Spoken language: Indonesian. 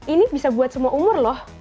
ini bisa buat semua umur loh